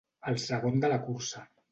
El segon de la cursa.